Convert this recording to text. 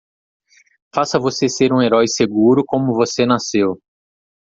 Faça você ser um herói seguro como você nasceu!